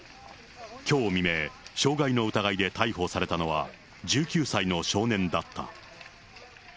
きょう未明、傷害の疑いで逮捕されたのは、１９歳の少年だった。